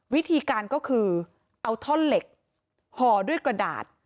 วิธีการก็คือเอาท่อนเหล็กห่อด้วยกระดาษ